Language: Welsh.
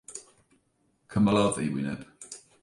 Cymylodd ei wyneb.